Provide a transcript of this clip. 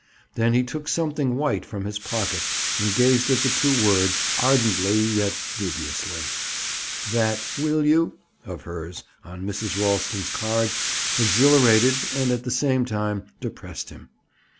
Then he took something white from his pocket and gazed at two words, ardently yet dubiously. That "Will you?" of hers on Mrs. Ralston's card exhilarated and at the same time depressed him.